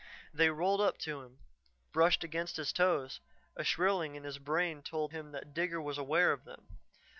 They rolled up to him, brushed against his toes; a shrilling in his brain told him that Digger was aware of them.